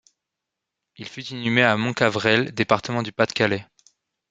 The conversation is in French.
Il fut inhumé à Montcavrel, département du Pas-de-Calais.